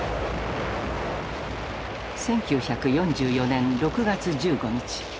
１９４４年６月１５日。